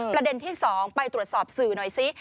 ประเด็นที่๒ไปตรวจสอบสื่อหน่อยซิ